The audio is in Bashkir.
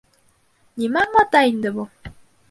Нимә аңлата инде был?